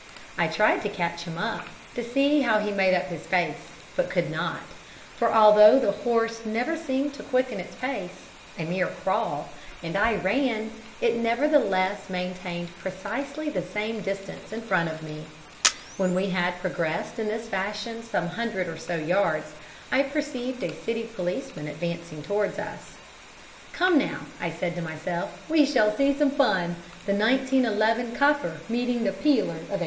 I tried to catch him up, to see how he made up his face, but could not, for although the horse never seemed to quicken its pace a mere crawl and I ran, it nevertheless maintained precisely the same distance in front of me. When we had progressed in this fashion some hundred or so yards, I perceived a City policeman advancing towards us. "'Come, now,' I said to myself, 'we shall see some fun the 1911 copper meeting the peeler of 1840.